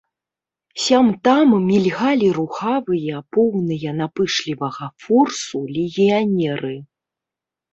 Сям-там мільгалі рухавыя, поўныя напышлівага форсу легіянеры.